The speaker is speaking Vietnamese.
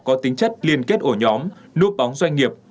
có tính chất liên kết ổ nhóm núp bóng doanh nghiệp